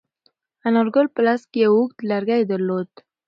انارګل په لاس کې یو اوږد لرګی درلود.